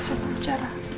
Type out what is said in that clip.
saya mau bicara